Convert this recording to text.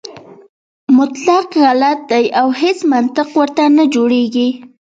مطلق غلط دی او هیڅ منطق ورته نه جوړېږي.